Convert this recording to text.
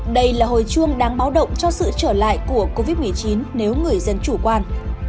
đây là hồi chuông đáng báo động cho sự trở lại của covid một mươi chín nếu người dân chủ quan